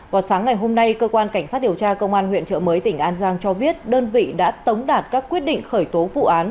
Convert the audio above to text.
vào sáng ngày hôm nay cơ quan cảnh sát điều tra công an huyện trợ mới tỉnh an giang cho biết đơn vị đã tống đạt các quyết định khởi tố vụ án